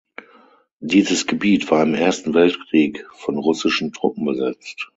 Dieses Gebiet war im Ersten Weltkrieg von russischen Truppen besetzt.